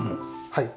はい。